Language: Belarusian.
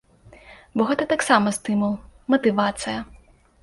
Бо гэта таксама стымул, матывацыя.